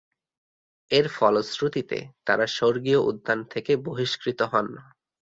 এর ফলশ্রুতিতে তারা স্বর্গীয় উদ্যান থেকে বহিষ্কৃত হন।